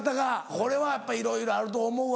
これはやっぱいろいろあると思うわ。